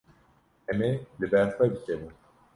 Em ê li ber xwe bikevin.